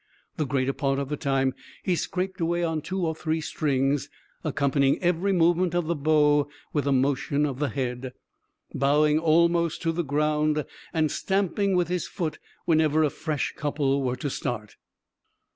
The greater part of the time he scraped away on two or three strings, accompanying every movement of the bow with a motion of the head; bowing almost to the ground, and stamping with his foot whenever a fresh couple were to start.